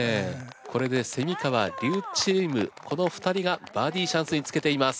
これで川・笠チームこの二人がバーディチャンスにつけています。